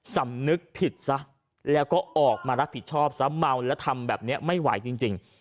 สำนึกผิดซะแล้วก็ออกมารับผิดชอบซะเมาแล้วทำแบบนี้ไม่ไหวจริง